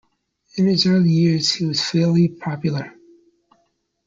In his early years he was fairly popular.